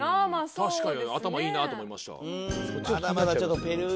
確かに頭いいなと思いました。